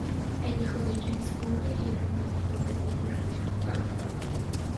Era hijo de James Burbage y el hermano menor de Cuthbert Burbage.